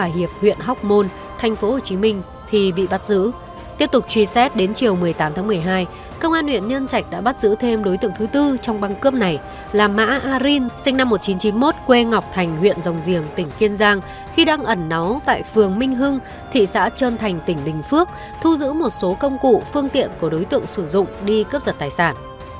tiếp tục truy xét đến chiều một mươi tám tháng một mươi hai công an nguyễn nhân trạch đã bắt giữ thêm đối tượng thứ tư trong băng cướp này là mã arin sinh năm một nghìn chín trăm chín mươi một quê ngọc thành huyện dòng diềm tỉnh kiên giang khi đang ẩn nó tại phường minh hưng thị xã trân thành tỉnh bình phước thu giữ một số công cụ phương tiện của đối tượng sử dụng đi cướp giật tài sản